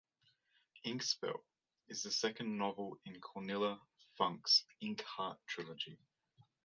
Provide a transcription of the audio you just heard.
"Inkspell" is the second novel in Cornelia Funke's "Inkheart" trilogy.